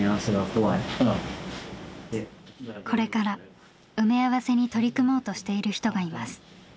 これから埋め合わせに取り組もうとしている人がいます。